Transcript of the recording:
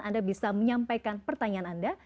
anda bisa menyampaikan pertanyaan anda